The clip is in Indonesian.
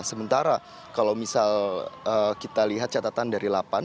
sementara kalau misal kita lihat catatan dari lapan